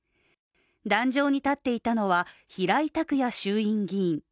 壇上に立っていたのは平井卓也衆院議員。